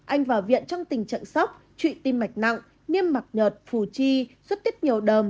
anh vào viện trong tình trận sóc trụy tim mạch nặng nghiêm mặc nhợt phù chi suốt tiết nhiều đờm